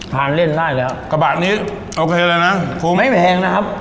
เล่นได้แล้วกระบะนี้โอเคแล้วนะคงไม่แพงนะครับ